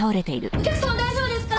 お客様大丈夫ですか？